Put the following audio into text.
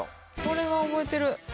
これは覚えてる。